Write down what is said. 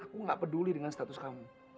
aku gak peduli dengan status kamu